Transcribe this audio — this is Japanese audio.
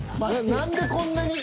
何でこんなに。